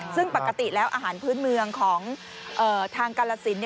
ซึ่งปกติแล้วอาหารพื้นเมืองของทางกาลสิน